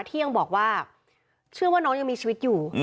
ที่ยังบอกว่าเชื่อว่าน้องยังมีชีวิตอยู่